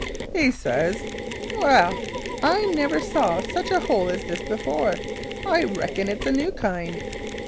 "He says: 'Well, I never saw such a hole as this before. I reckon it's a new kind.'